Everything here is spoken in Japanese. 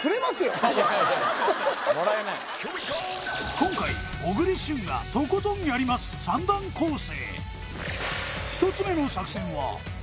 今回小栗旬がとことんやります三段構成